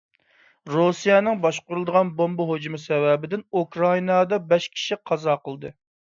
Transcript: رۇسىيەنىڭ باشقۇرۇلىدىغان بومبا ھۇجۇمى سەۋەبىدىن ئۇكرائىنادا بەش كىشى قازا قىلدى.